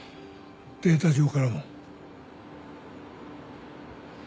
データ上からも。